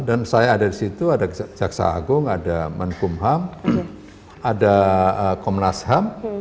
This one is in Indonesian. dan saya ada di situ ada jaksa agung ada menkum ham ada komnas ham